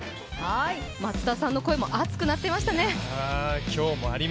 松田さんの声も熱くなっていましたね。